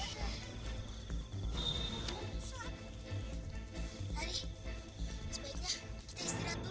tarik sebaiknya kita istirahat dulu